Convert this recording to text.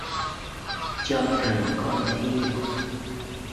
Cho thằng con thi